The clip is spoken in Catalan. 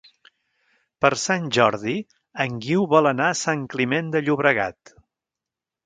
Per Sant Jordi en Guiu vol anar a Sant Climent de Llobregat.